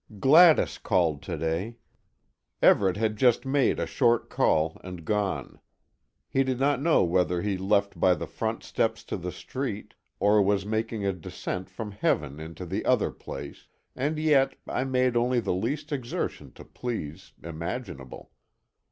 Gladys called to day. Everet had just made a short call and gone. He did not know whether he left by the front steps to the street, or was making a descent from heaven into the other place and yet, I made only the least exertion to please, imaginable.